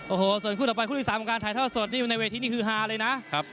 โอ้โหส่วนคู่ต่อไปคู่ที่๓ของการถ่ายทอดสดที่อยู่ในเวทีนี่คือฮาเลยนะ